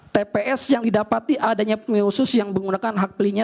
tps yang didapati adanya pemilih khusus yang menggunakan hak pilihnya